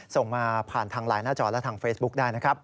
ส่งมาผ่านทางไลน์หน้าจอและทางเฟซบุ๊คได้นะครับ